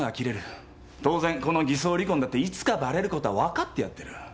当然この偽装離婚だっていつかばれることは分かってやってる。